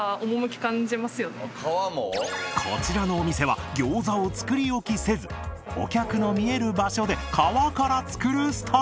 こちらのお店はギョーザを作り置きせずお客の見える場所で皮から作るスタイル。